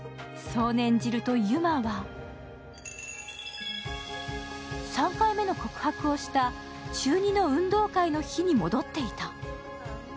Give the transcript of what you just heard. そう念じると由舞は３回目の告白をした中２の運動会の日に戻っていた。